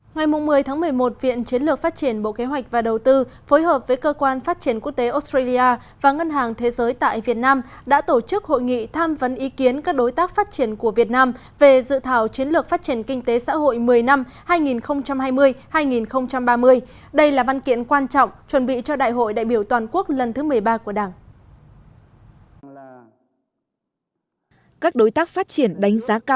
ngày một mươi một mươi một viện chiến lược phát triển bộ kế hoạch và đầu tư phối hợp với cơ quan phát triển quốc tế australia và ngân hàng thế giới tại việt nam đã tổ chức hội nghị tham vấn ý kiến các đối tác phát triển của việt nam về dự thảo chiến lược phát triển kinh tế xã hội một mươi năm hai nghìn hai mươi hai nghìn ba mươi đây là văn kiện quan trọng chuẩn bị cho đại hội đại biểu toàn quốc lần thứ một mươi ba của đảng